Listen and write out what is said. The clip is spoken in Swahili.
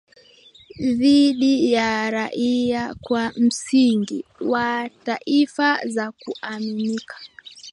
dhidi ya raia kwa msingi wa taarifa za kuaminika